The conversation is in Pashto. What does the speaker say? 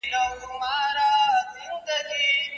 « مراد ما ز تماشای باغ عالم چیست؟